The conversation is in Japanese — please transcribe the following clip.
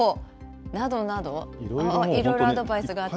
などなど、いろんなアドバイスがあったり。